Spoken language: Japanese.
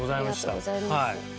ありがとうございます。